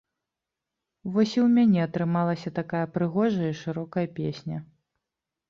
Вось і ў мяне атрымалася такая прыгожая і шырокая песня.